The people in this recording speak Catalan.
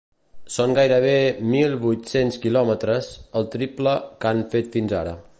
Són gairebé mil vuit-cents quilòmetres, el triple que han fet fins ara.